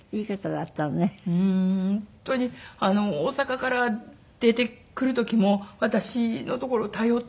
本当に大阪から出てくる時も私のところ頼って。